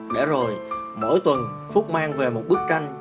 để rồi mỗi tuần phúc mang về một bức tranh